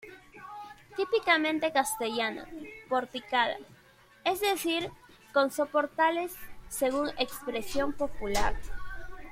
Típicamente castellana, porticada, es decir, con soportales, según expresión popular.